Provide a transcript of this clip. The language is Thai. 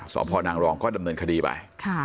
สพนางรองก็ดำเนินคดีไป